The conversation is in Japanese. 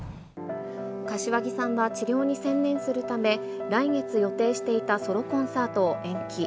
柏木さんは治療に専念するため、来月予定していたソロコンサートを延期。